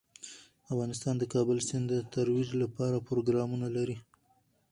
افغانستان د کابل سیند د ترویج لپاره پروګرامونه لري.